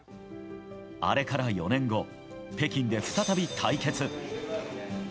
あれから４年後、北京で再び対決。